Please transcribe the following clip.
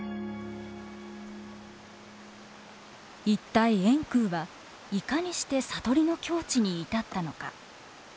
一体円空はいかにして悟りの境地に至ったのか。